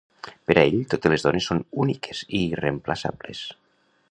Per a ell, totes les dones són úniques i irreemplaçables.